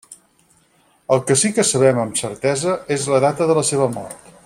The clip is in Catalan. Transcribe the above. El que sí que sabem amb certesa és la data de la seva mort.